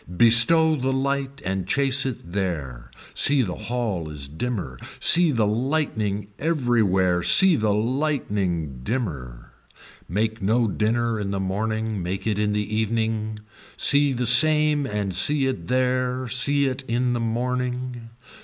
Bestow the light and chase it there, see the hall is dimmer, see the lightening everywhere see the lightening dimmer. Make no dinner in the morning, make it in the evening, see the same and see it there, see it in the morning.